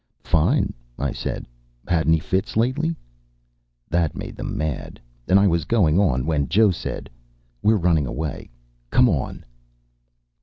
"Fine," I said. "Had any fits lately?" That made them mad, and I was going on, when Joe said, "We're running away. Come on."